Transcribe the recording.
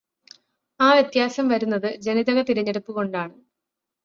ആ വ്യത്യാസം വരുന്നത് ജനിതക തിരഞ്ഞെടുപ്പ് കൊണ്ടാണ്.